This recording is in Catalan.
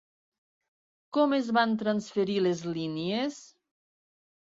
Com es van transferir les línies?